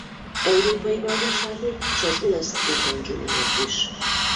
Európai Bajnokságot és az olasz Open juniort is.